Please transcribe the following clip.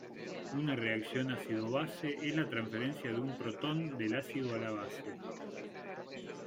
Una reacción ácido-base es la transferencia de un protón del ácido a la base.